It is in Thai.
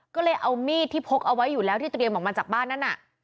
ก็เลยเอามีดที่พกเอาไว้อยู่แล้วที่เตรียมออกมาจากบ้านนั้นน่ะ